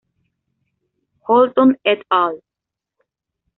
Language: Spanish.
Holton et al.